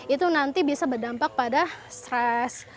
itu nanti bisa berdampak pada stres